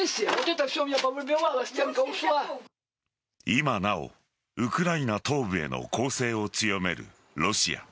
今なおウクライナ東部への攻勢を強めるロシア。